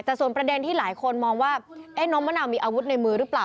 แต่ส่วนประเด็นที่หลายคนมองว่าน้องมะนาวมีอาวุธในมือหรือเปล่า